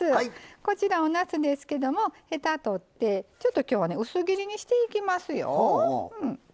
こちらおなすですけどもへたとってちょっと今日は薄切りにしていきますよ。